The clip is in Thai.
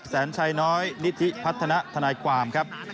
แสนชัยน้อยนิธิพัฒนาธนายความครับ